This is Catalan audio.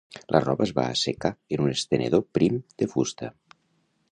La roba es va assecar en un estenedor prim de fusta.